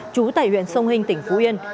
trú tại huyện sông hinh tỉnh phú yên